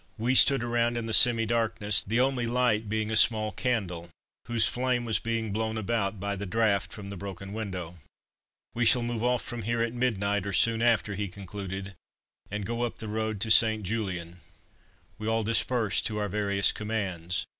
We stood around in the semi darkness, the only light being a small candle, whose flame was being blown about by the draught from the broken window. "We shall move off from here at midnight, or soon after," he concluded, "and go up the road to St. Julien." We all dispersed to our various commands.